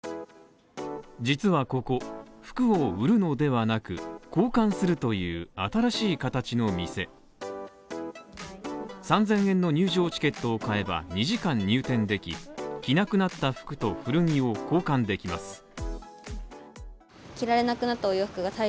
実はここ、服を売るのではなく、交換するという新しい形の店３０００円の入場チケットを買えば２時間入店でき着なくなった服と古着を交換できます。